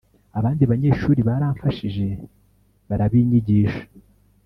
Abandi banyeshuri baramfashije barabinyigisha